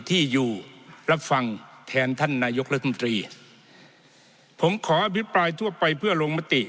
ที่อยู่รับฟังแทนท่านนายกรัฐมนตรีผมขออภิปรายทั่วไปเพื่อลงมติ